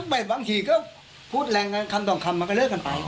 บางทีก็พูดแรงกันคำต่อคำมันก็เลิกกันไป